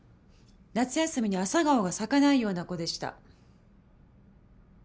夏休みにアサガオが咲かないような子でした。